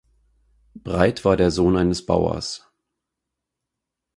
Breit war der Sohn eines Bauers.